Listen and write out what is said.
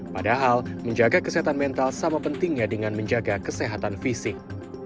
padahal menjaga kesehatan mental sama pentingnya dengan menjaga kesehatan fisik